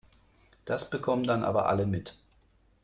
Das bekommen dann aber alle mit.